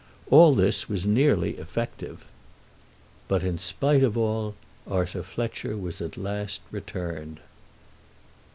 All this was nearly effective. But, in spite of all, Arthur Fletcher was at last returned.